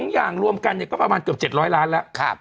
อย่างรวมกันก็ประมาณเกือบ๗๐๐ล้านแล้ว